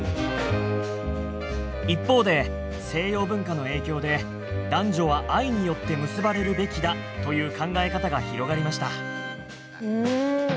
一方で西洋文化の影響で男女は愛によって結ばれるべきだという考え方が広がりました」。